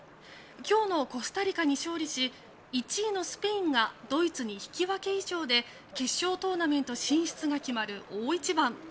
今日のコスタリカに勝利し１位のスペインがドイツに引き分け以上で決勝トーナメント進出が決まる大一番。